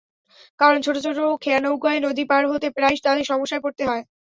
কারণ, ছোট ছোট খেয়ানৌকায় নদী পার হতে প্রায়ই তাঁদের সমস্যায় পড়তে হয়।